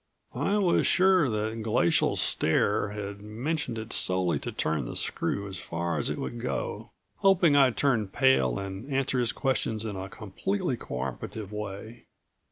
I was sure that Glacial Stare had mentioned it solely to turn the screw as far as it would go, hoping I'd turn pale and answer his questions in a completely cooperative way.